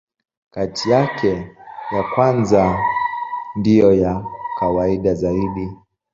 Kati yake, ya kwanza ndiyo ya kawaida zaidi.